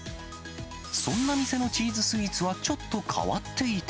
そんな店のチーズスイーツはちょっと変わっていて。